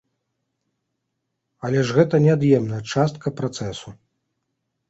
Але ж гэта неад'емная частка працэсу.